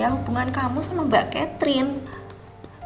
hubungan kamu sama mbak catherine